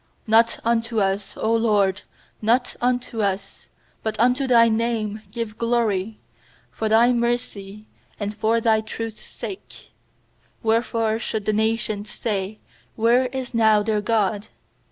1 1 K Not unto us, 0 LORD, not unto J Lt ' us, But unto Thy name give glory, For Thy mercy, and for Thy truth's 859 115.2 PSALMS Wherefore should the nations say 'Where is now their God?'